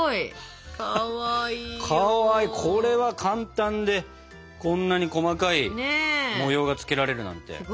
これは簡単でこんなに細かい模様がつけられるなんて。